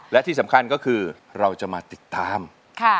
และที่สำคัญก็คือเราจะมาติดตาม